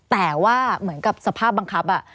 แต่ว่าเหมือนกับสภาพบังคับ